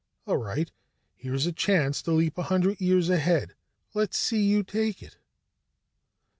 All right, here's a chance to leap a hundred years ahead. Let's see you take it."